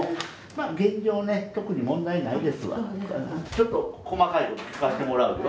ちょっと細かいこと聞かしてもらうよ。